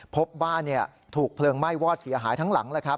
พบบ้านถูกเพลิงไหม้วอดเสียหายทั้งหลังแล้วครับ